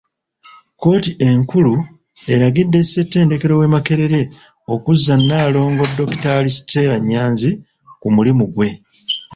Kkooti enkulu eragidde Ssettendekero w'e Makerere okuzza Nalongo Dokita Stella Nnyanzi ku mulimu gwe.